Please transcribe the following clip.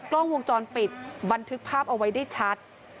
กล้องวงจรปิดบันทึกภาพเอาไว้ได้ชัด